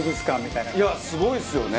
すごいですよね。